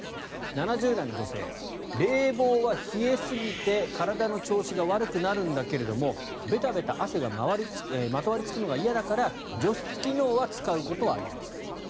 ７０代の女性、冷房は冷えすぎて体の調子が悪くなるんだけどべたべた汗がまとわりつくのが嫌だから除湿機能は使うことはあります。